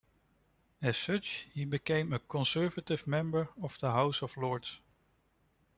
As such, he became a Conservative member of the House of Lords.